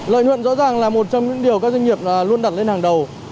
lợi nhuận rõ ràng là một trong những điều các doanh nghiệp luôn đặt lên hàng đầu